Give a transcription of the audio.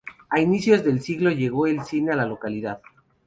A inicios del siglo llegó el cine a la localidad.